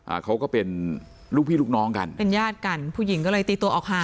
อ่าเขาก็เป็นลูกพี่ลูกน้องกันเป็นญาติกันผู้หญิงก็เลยตีตัวออกห่าง